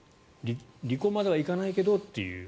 離婚まではいかないけどという。